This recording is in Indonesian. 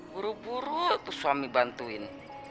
buru buru suami bantuin